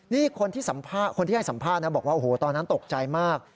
นี่คนที่ให้สัมภาษณ์นะบอกว่าโอ้โหตอนนั้นตกใจมาก